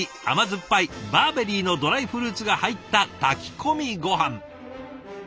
甘酸っぱいバーベリーのドライフルーツが入った炊き込みごはん。